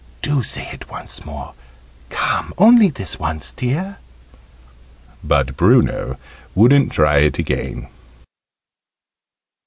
Do say it once more. Come! Only this once, dear!" But Bruno wouldn't try it again.